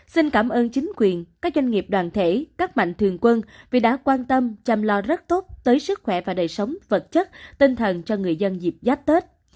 xin cảm ơn chính quyền các doanh nghiệp đoàn thể các mạnh thường quân vì đã quan tâm chăm lo rất tốt tới sức khỏe và đời sống vật chất tinh thần cho người dân dịp giáp tết